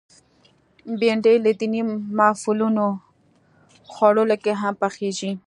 بېنډۍ له دینی محفلونو خوړو کې هم پخېږي